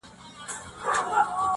چي په ښكلي وه باغونه د انګورو-